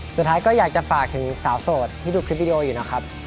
สุดท้ายก็อยากจะฝากถึงสาวโสดที่ดูคลิปวิดีโออยู่นะครับ